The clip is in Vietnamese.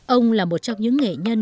ông là một trong những nghệ nhân